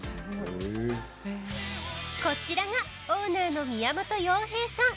こちらがオーナーの宮本洋平さん。